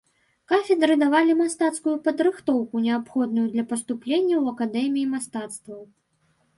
Кафедры давалі мастацкую падрыхтоўку, неабходную для паступлення ў акадэміі мастацтваў.